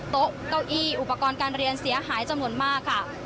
โต๊ะเก้าอี้อุปกรณ์การเรียนเสียหายจำนวนมากค่ะ